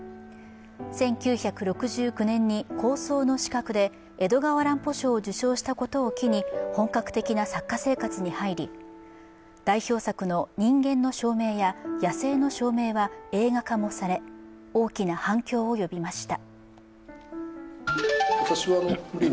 １９６９年に「高層の死角」で江戸川乱歩賞を受賞したことを機に本格的な作家生活に入り代表作の「人間の証明」や「野性の証明」は映画化もされ大きな反響を呼びました。